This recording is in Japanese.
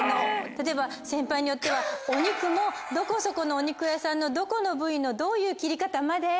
例えば先輩によってはお肉もどこそこのお肉屋さんのどこの部位のどういう切り方まで。